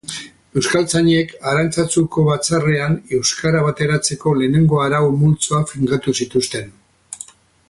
Euskaltzainek Arantzazuko batzarrean euskara bateratzeko lehenengo arau multzoak finkatu zituzten